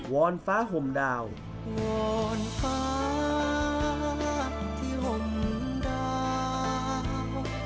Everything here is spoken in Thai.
อนฟ้าห่มดาวงอนฟ้าที่ห่มดาว